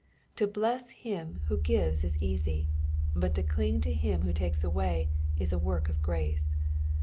To bless him who gives is easy, but to clin^ to him who takes awa; is a work of grace.